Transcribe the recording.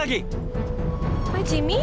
jadi seperti yang biasa